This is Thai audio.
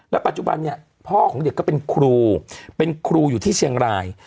ปัจจุบันเนี่ยพ่อของเด็กก็เป็นครูเป็นครูอยู่ที่เชียงราย